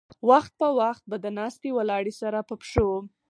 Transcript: وخت پۀ وخت به د ناستې ولاړې سره پۀ پښو